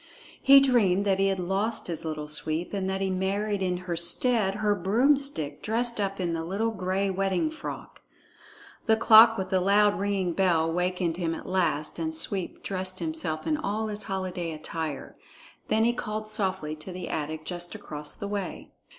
He dreamed that he had lost his Little Sweep, and that he married in her stead her broomstick dressed up in the little gray wedding frock. The clock with the loud ringing bell wakened him at last, and Sweep dressed himself in all his holiday attire. Then he called softly to the attic just across the way.